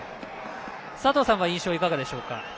佐藤さんは印象はいかがでしょうか？